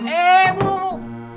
eh bu bu bu